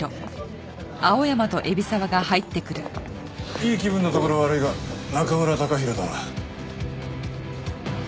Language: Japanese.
いい気分のところ悪いが中村隆弘だな？